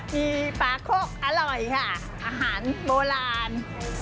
มีปลาโคกอร่อยค่ะอาหารโบราณ